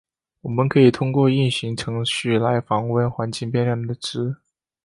我们可以通过运行程序来访问环境变量的值。